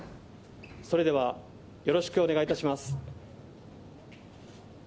それでは、よろしくお願いいたし